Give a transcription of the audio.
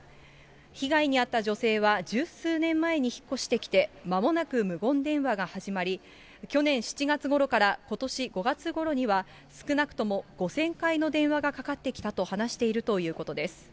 被害に遭った女性は、十数年前に引っ越してきて、まもなく無言電話が始まり、去年７月ごろからことし５月ごろには、少なくとも５０００回の電話がかかってきたと話しているということです。